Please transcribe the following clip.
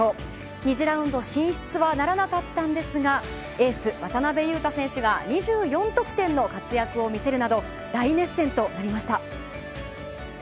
２次ラウンド進出はならなかったんですがエース渡邊雄太選手が２４得点の活躍を見せるなど大熱戦となりました。